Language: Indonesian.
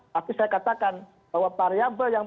tapi saya katakan bahwa variable yang